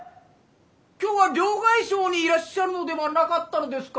今日は両替商にいらっしゃるのではなかったのですか？